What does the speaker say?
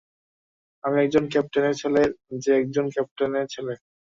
আমি একজন ক্যাপ্টেনের ছেলে, যে একজন ক্যাপ্টেনের ছেলে।